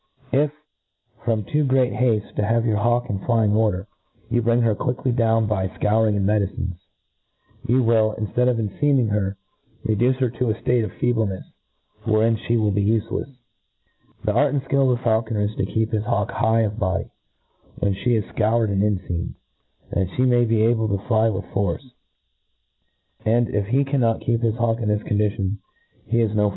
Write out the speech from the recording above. If, from too great haftc to have your hawk in flying order, you bring her quickly .down by fcouring and medicines, you wiH* inftead of en* Teaming her, reduce her to a ftate of fcebleneft, wherein flic will be ufelcfe. The art and fldll of a faiilconer i^ to keep his hawk high of bo dy, when flie is fcoured and enfeamed^ that flie may be able to fly with force \ and^ if he cannot keep his hawk in this condition, he is 00 hvH^ coner.